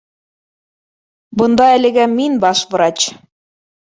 — Бында әлегә мин баш врач